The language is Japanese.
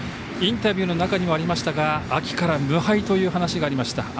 インタビューの中にもありましたが、秋から無敗という話がありました。